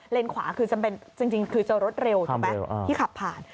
เลนส์ขวาจริงคือจะรถเร็วที่ขับผ่าน